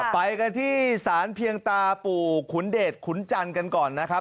ไปกันที่สารเพียงตาปู่ขุนเดชขุนจันทร์กันก่อนนะครับ